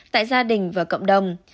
tại gia đình và cộng đồng